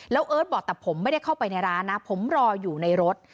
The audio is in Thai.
แล้วเอิร์ทบอกแต่ผมไม่ได้เข้าไปในร้านนะผมรออยู่ในรถ